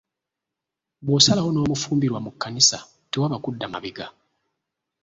Bw’osalawo n’omufumbirwa mu kkanisa tewaba kudda mabega.